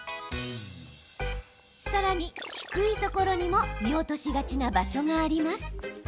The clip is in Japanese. さらに、低いところにも見落としがちな場所があります。